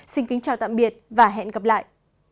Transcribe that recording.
xin kính chào tạm biệt và hẹn gặp lại